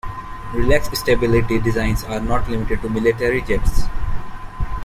Relaxed stability designs are not limited to military jets.